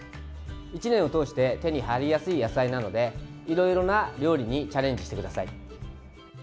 １年を通して手に入りやすい野菜なのでいろいろな料理にチャレンジしてください。